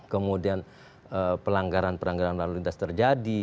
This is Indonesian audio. kemudian pelanggaran pelanggaran lalu lintas terjadi